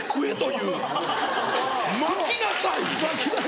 そう巻きなさい。